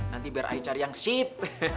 nanti biar aji cari yang sip